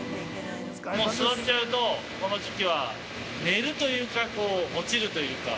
◆座っちゃうと、この時期は、寝るというか、こう落ちるというか。